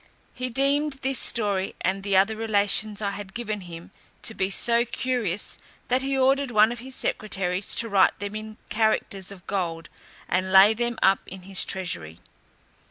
He deemed this story, and the other relations I had given him, to be so curious, that he ordered one of his secretaries to write them in characters of gold, and lay them up in his treasury.